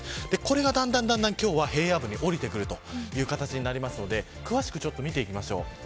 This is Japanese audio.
これがだんだん今日は平野部に下りてくるという形になるので詳しく見ていきましょう。